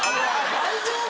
大丈夫？